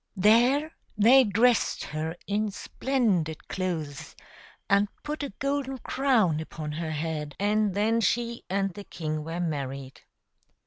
There they dressed her in splendid clothes and put a golden crown upon her head, and then she and the king were married.